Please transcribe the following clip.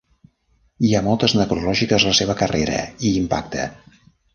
Hi ha moltes necrològiques a la seva carrera i impacte.